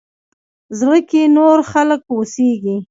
زړه کښې نور خلق اوسيږي